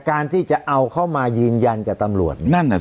การที่จะเอาเข้ามายืนยันกับตำรวจ